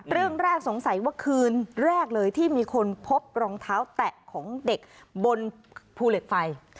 เรื่องแรกสงสัยว่าคืนแรกเลยที่มีคนพบรองเท้าแตะของเด็กบนภูเหล็กไฟ